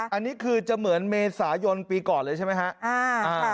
อันนี้คือจะเหมือนเมษายนปีก่อนเลยใช่ไหมครับ